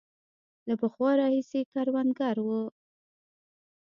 له پخوا راهیسې کروندګر وو.